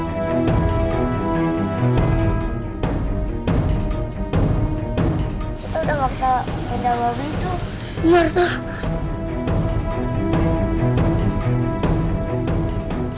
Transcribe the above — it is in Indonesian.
kita udah bakal pindah mobil itu